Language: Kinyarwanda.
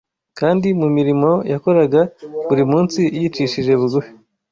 kandi mu mirimo yakoraga buri munsi yicishije bugufi